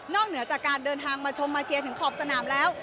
เหนือจากการเดินทางมาชมมาเชียร์ถึงขอบสนามแล้ว